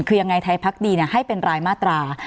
คือยังไงไทยพักดีให้เป็นรายมาตรา